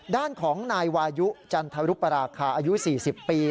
ด้านของนายวายุจันทรุปราคาอายุ๔๐ปี